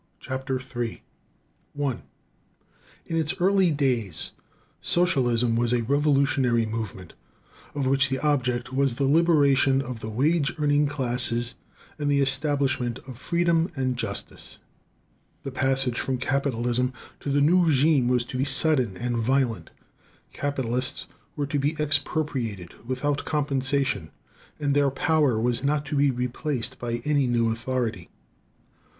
Chapter III: Pitfalls in Socialism I In its early days, socialism was a revolutionary movement of which the object was the liberation of the wage earning classes and the establishment of freedom and justice. The passage from capitalism to the new régime was to be sudden and violent: capitalists were to be expropriated without compensation, and their power was not to be replaced by any new authority.